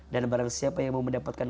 dan barang siapa yang mau mendapatkan